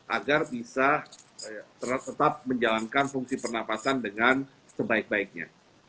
agar bisa tetap menjalankan fungsi pernafasan dengan sebaik baiknya